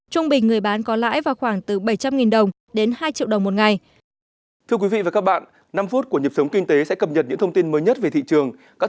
trung bình người bán có lãi vào khoảng từ bảy trăm linh đồng đến hai triệu đồng một ngày